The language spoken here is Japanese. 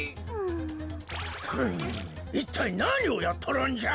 いったいなにをやっとるんじゃ！